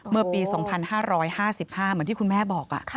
เมื่อปี๒๕๕๕เหมือนที่คุณแม่บอก